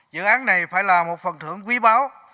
dự án này phải là một phần thưởng quý báo